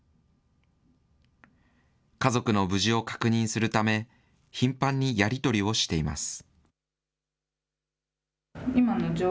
家族の無事を確認するため、頻繁にやり取りをしています。